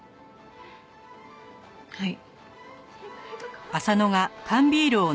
はい。